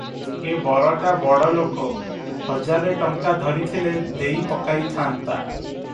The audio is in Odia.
ଏ ବରଟା ବଡ଼ଲୋକ, ହଜାରେ ଟଙ୍କା ଧରିଥିଲେ ଦେଇ ପକାଇଥାନ୍ତା ।